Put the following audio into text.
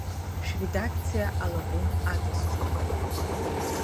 Шәредакциа алаӷәым аҵасҵоит!